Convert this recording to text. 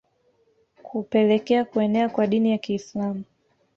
Kupelekea kuenea kwa Dini ya Kiislamu